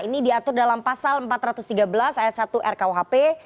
ini diatur dalam pasal empat ratus tiga belas ayat satu rkuhp